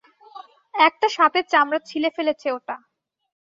একটা সাপের চামড়া ছিলে ফেলেছে ওটা।